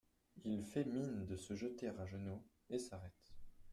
Il fait mine de se jeter à genoux et s’arrête.